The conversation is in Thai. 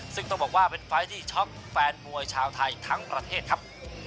ซึ่งต้องบอกว่าเป็นไฟล์ที่ช็อกแฟนมวยชาวไทยทั้งประเทศครับ